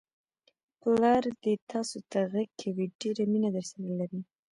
پلا دې تاسوته غږ کوي، ډېره مینه درسره لري!